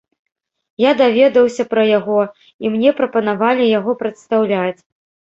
Я даведаўся пра яго, і мне прапанавалі яго прадстаўляць.